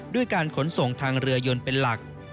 ด้วยการขนส่งทางเรือยนเป็นหลัก